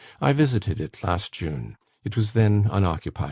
I visited it last June. It was then unoccupied.